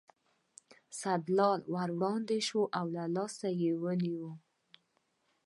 سیدلال ور وړاندې شو او له لاسه یې ونیو.